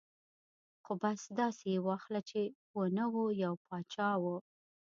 ـ خو بس داسې یې واخله چې و نه و ، یو باچا و.